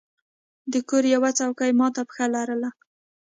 د کور یوه څوکۍ مات پښه لرله.